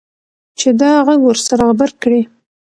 چې دا غږ ورسره غبرګ کړي.